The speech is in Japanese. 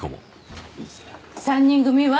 ３人組は？